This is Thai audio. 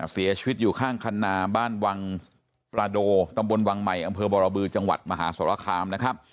เสียชีวิตอยู่ข้างคันนาบ้านวังประโดตำบลวังใหม่อำเภอบรบือจังหวัดมหาสรคามนะครับ